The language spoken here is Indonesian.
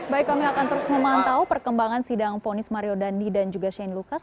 baik kami akan terus memantau perkembangan sidang ponis mario dandi dan juga shane lucas